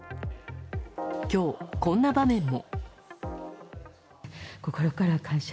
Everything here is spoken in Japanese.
今日、こんな場面も。